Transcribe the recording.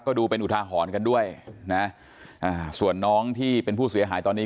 ดูเป็นอุทาหรณ์กันด้วยนะอ่าส่วนน้องที่เป็นผู้เสียหายตอนนี้